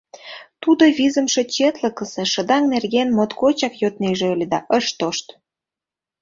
Тудо визымше четлыкысе шыдаҥ нерген моткочак йоднеже ыле да, ыш тошт.